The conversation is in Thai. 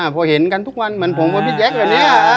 พอเห็นกันทุกวันเหมือนผมกับพี่แจ๊คแบบนี้